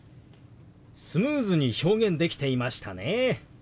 スムーズに表現できていましたね。